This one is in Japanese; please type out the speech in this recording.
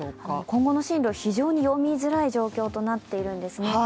今後の進路、非常に読みづらい状況となっているんですね。